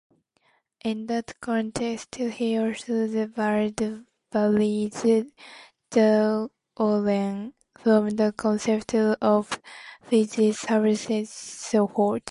In that context, he also derives Bayes' theorem from the concept of fuzzy subsethood.